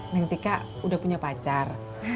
neng tika udah punya pacar